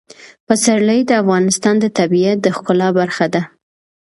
پسرلی د افغانستان د طبیعت د ښکلا برخه ده.